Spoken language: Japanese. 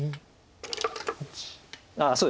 ああそうですね。